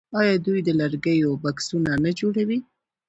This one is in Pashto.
آیا دوی د لرګیو بکسونه نه جوړوي؟